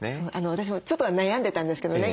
私もちょっとは悩んでたんですけどね